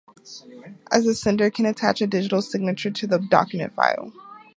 Also the sender can attach a digital signature to the document file.